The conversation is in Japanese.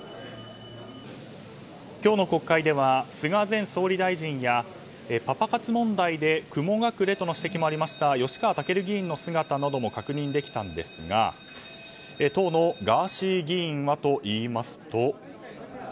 今日の国会では菅前総理大臣やパパ活問題で雲隠れとの指摘もありました吉川赳議員の姿なども確認できたんですが当のガーシー議員派と言いますと。